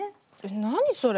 何それ？